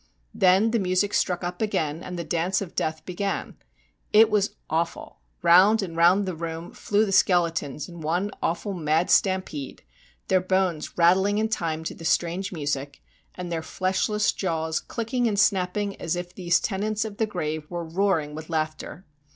Then the music struck up again, and the dance of death began. It was awful. Round and round the room flew the skeletons in one awful mad stampede, their bones rattling in time to the strange music, and their fleshless jaws clicking and snapping as if these tenants of the grave were roaring with laughter.